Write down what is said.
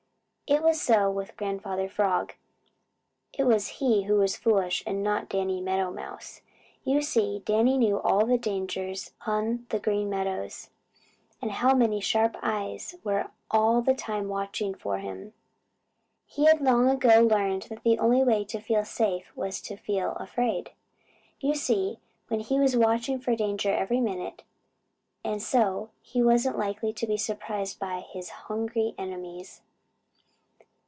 It was so with Grandfather Frog. It was he who was foolish and not Danny Meadow Mouse. You see Danny knew all the dangers on the Green Meadows, and how many sharp eyes were all the time watching for him. He had long ago learned that the only way to feel safe was to feel afraid. You see, then he was watching for danger every minute, and so he wasn't likely to be surprised by his hungry enemies.